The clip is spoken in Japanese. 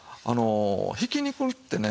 ひき肉ってね